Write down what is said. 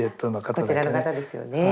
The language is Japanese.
こちらの方ですよね。